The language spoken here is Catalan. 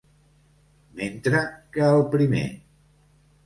Mentre que el primer.